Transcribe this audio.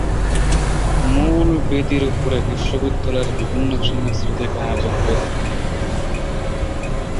মূল বেদির উপরে বিশ্ববিদ্যালয়ের বিভিন্ন সাংস্কৃতিক আয়োজন হয়ে থাকে।